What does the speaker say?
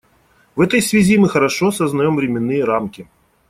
В этой связи мы хорошо сознаем временные рамки.